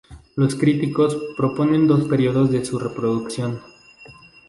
Los críticos proponen dos periodos de su producción.